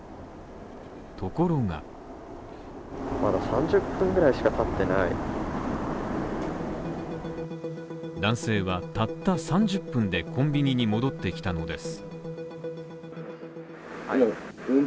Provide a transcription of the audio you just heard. ところが男性は、たった３０分でコンビニに戻ってきたのです